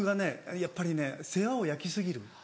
やっぱりね世話を焼き過ぎる。